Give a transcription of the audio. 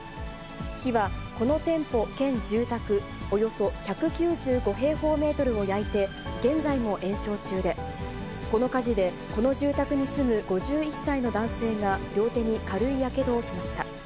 火はこの店舗兼住宅およそ１９５平方メートルを焼いて、現在も延焼中で、この火事でこの住宅に住む５１歳の男性が両手に軽いやけどをしました。